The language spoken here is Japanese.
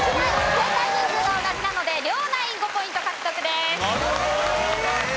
正解人数が同じなので両ナイン５ポイント獲得です。